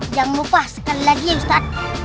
jangan lupa sekali lagi ya ustaz